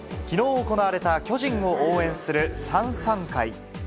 きのう行われた巨人を応援する燦燦会。